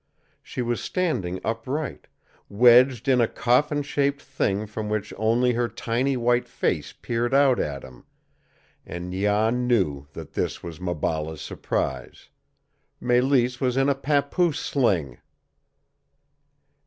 She was standing upright, wedged in a coffin shaped thing from which only her tiny white face peered out at him; and Jan knew that this was Maballa's surprise, Mélisse was in a papoose sling!